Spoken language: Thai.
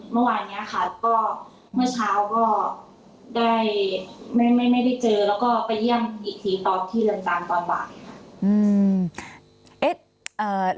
เมื่อวานนี้ค่ะก็เมื่อเช้าก็ได้ไม่ได้เจอแล้วก็ไปเยี่ยมอีกทีตอนที่เรือนจำตอนบ่ายค่ะ